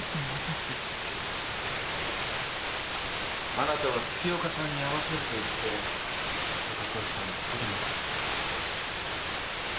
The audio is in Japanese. あなたは月岡さんに会わせると言って高桑さんをここで待たせた。